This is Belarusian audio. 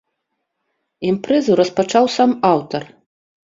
Імпрэзу распачаў сам аўтар.